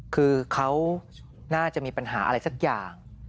คือเขาน่าจะมีปัญหาอะไรสักอย่าง